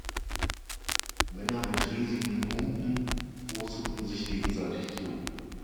Männer mit riesigen Humpen prosteten sich gegenseitig zu.